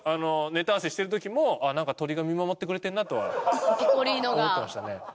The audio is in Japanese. ネタ合わせしてる時もなんか鳥が見守ってくれてるなとは思ってましたね。